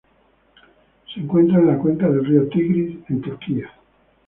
Se encuentra en la cuenca del río Tigris en Turquía.